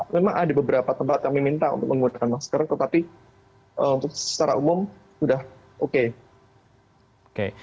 memang ada beberapa tempat yang meminta untuk menggunakan masker tetapi secara umum sudah oke